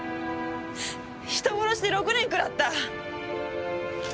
人殺しで６年くらった！